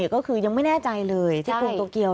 ก็คือยังไม่แน่ใจเลยที่กรุงโตเกียว